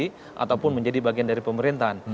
untuk oposisi ataupun menjadi bagian dari pemerintahan